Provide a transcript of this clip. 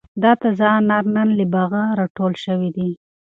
دا تازه انار نن له باغه را ټول شوي دي.